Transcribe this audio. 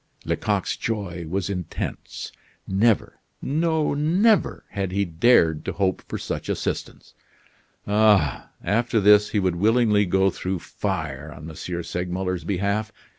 Lecoq's joy was intense. Never, no never, had he dared to hope for such assistance. Ah! after this he would willingly go through fire on M. Segmuller's behalf.